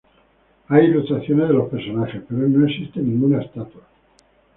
Hay ilustraciones de los personajes, pero no existe ninguna estatua.